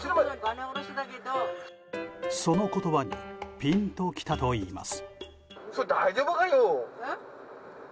その言葉にピンときたといいます。